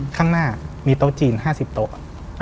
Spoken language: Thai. ข้างหน้ามีโต๊ะจีน๕๐โต๊ะ